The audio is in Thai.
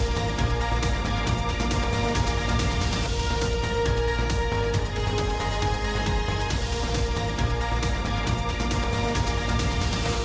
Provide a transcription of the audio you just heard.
โปรดติดตามตอนต่อไป